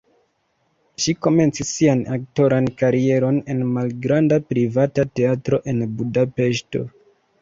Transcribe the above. Ŝi komencis sian aktoran karieron en malgranda privata teatro en Budapeŝto.